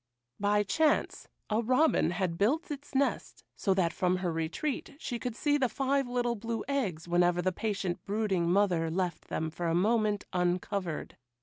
By chance a robin had built its nest so that from her retreat she could see the five little blue eggs whenever the patient brooding mother left them for a moment uncovered.